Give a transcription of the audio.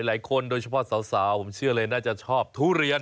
โดยเฉพาะสาวผมเชื่อเลยน่าจะชอบทุเรียน